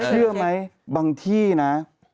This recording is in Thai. เชื่อไหมบางที่นะ